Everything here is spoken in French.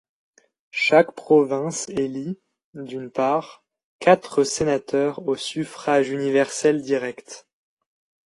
Chaque province élit, d'une part, quatre sénateurs au suffrage universel direct.